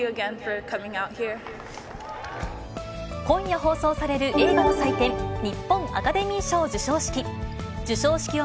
今夜放送される映画の祭典、日本アカデミー賞授賞式。